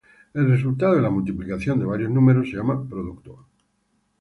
El resultado de la multiplicación de varios números se llama producto.